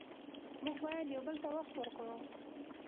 موږ باید یو بل ته وخت ورکړو